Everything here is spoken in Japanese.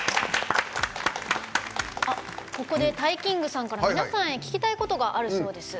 ＴＡＩＫＩＮＧさんから皆さんへ聞きたいことがあるそうです。